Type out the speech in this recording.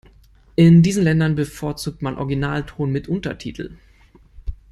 In diesen Ländern bevorzugt man Originalton mit Untertitel.